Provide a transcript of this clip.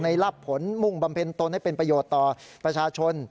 รับผลมุ่งบำเพ็ญตนให้เป็นประโยชน์ต่อประชาชน